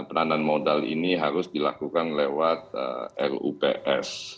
penandaan modal ini harus dilakukan lewat rups